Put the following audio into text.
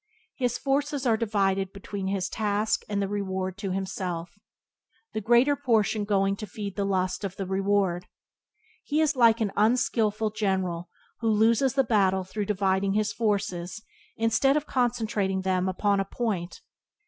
His forces are divided between his task and the reward to himself, the greater portion going to feed the lust of reward. He is like an unskillful general who loses the battle through dividing his forces instead of concentrating them upon a point.